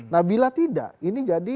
nah bila tidak ini jadi